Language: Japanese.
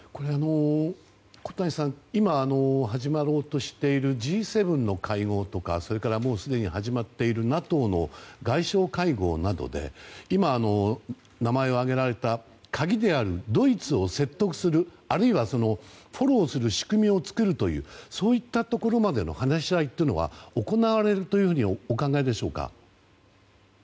小谷さん、今始まろうとしているＧ７の会合とかそれから、もうすでに始まっているＮＡＴＯの外相会合などで今、名前を挙げられた鍵であるドイツを説得するあるいはフォローする仕組みを作るというところまでの話し合いというのは行われるとお考えでしょうか。